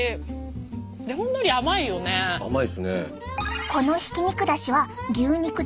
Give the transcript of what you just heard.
甘いっすね。